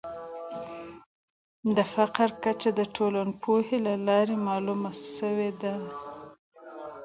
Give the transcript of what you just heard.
د فقر کچه د ټولنپوهني له لارې معلومه سوې ده.